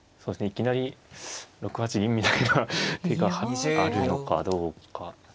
いきなり６八銀みたいな手があるのかどうか。